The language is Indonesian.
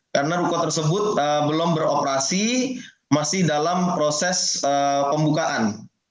karena ruko tersebut belum beroperasi masih dalam proses pembukaan